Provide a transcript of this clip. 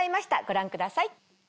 ご覧ください。